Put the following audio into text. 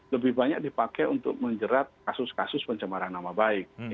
lebih banyak dipakai untuk menjerat kasus kasus pencemaran nama baik